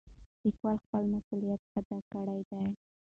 لیکوال خپل مسؤلیت ادا کړی دی.